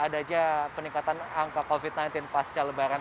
ada aja peningkatan angka covid sembilan belas pasca lebaran